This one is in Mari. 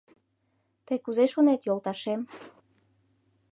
Тый кузе шонет, йолташем -